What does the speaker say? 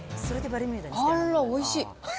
あっら、おいしい！